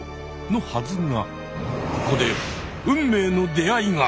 のはずがここで運命の出会いが！